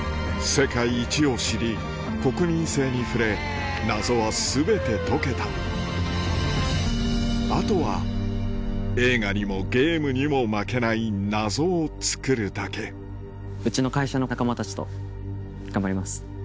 世界一を知り国民性に触れ謎は全て解けたあとは映画にもゲームにも負けない謎をつくるだけうちの会社の仲間たちと頑張ります。